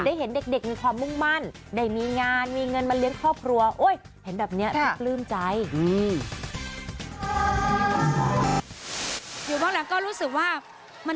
ได้เห็นเด็กมีความมุ่งมั่น